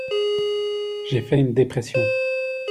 J'ai fait une dépression.